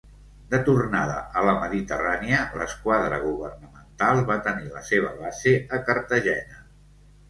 De tornada a la Mediterrània, l'esquadra governamental va tenir la seva base a Cartagena.